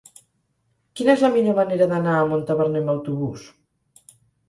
Quina és la millor manera d'anar a Montaverner amb autobús?